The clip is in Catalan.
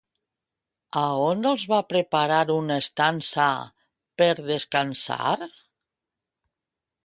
A on els va preparar una estança per descansar?